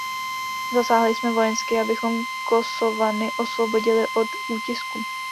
Zasáhli jsme vojensky, abychom Kosovany osvobodili od útisku.